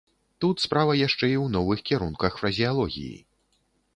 Тут справа яшчэ і ў новых кірунках фразеалогіі.